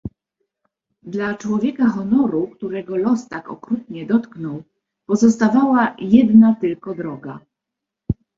"Dla człowieka honoru, którego los tak okrutnie dotknął, pozostawała jedna tylko droga."